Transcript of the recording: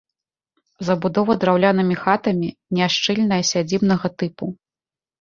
Забудова драўлянымі хатамі, няшчыльная, сядзібнага тыпу.